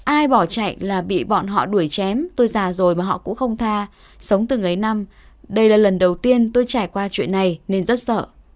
ai bỏ chạy là bị bọn họ đuổi chém tôi già rồi mà họ cũng không tha sống từ mấy năm đây là lần đầu tiên tôi trải qua chuyện này nên rất sợ